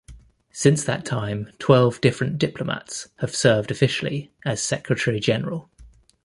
Since that time, twelve different diplomats have served officially as Secretary General.